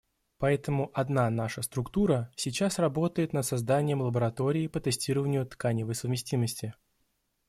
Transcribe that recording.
Поэтому одна наша структура сейчас работает над созданием лаборатории по тестированию тканевой совместимости.